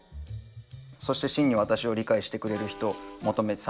そして真に私を理解してくれる人を求めさまよう。